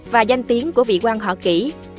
và danh tiếng của vị quan họ kỷ